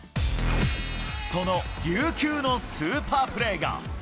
その琉球のスーパープレーが。